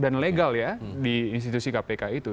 dan legal ya di institusi kpk itu